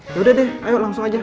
yaudah deh ayo langsung aja